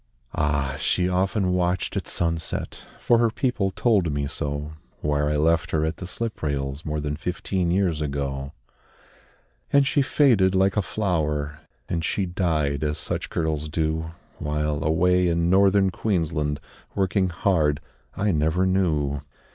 Ah! she often watched at sunset For her people told me so Where I left her at the slip rails More than fifteen years ago. And she faded like a flower, And she died, as such girls do, While, away in Northern Queensland, Working hard, I never knew.